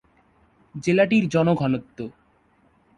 জেলাটির জনঘনত্ব।